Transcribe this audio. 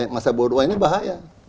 masa berdua ini bahaya